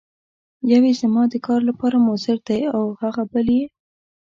یو یې زما د کار لپاره مضر دی او هغه بل یې.